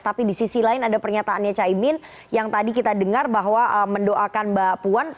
tapi di sisi lain ada pernyataannya caimin yang tadi kita dengar bahwa mendoakan mbak puan